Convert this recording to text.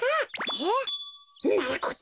えっ？